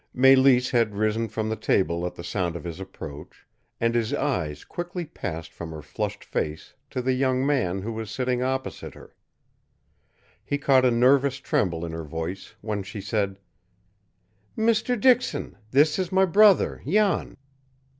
Mélisse had risen from the table at the sound of his approach, and his eyes quickly passed from her flushed face to the young man who was sitting opposite her. He caught a nervous tremble in her voice when she said: "Mr. Dixon, this is my brother, Jan."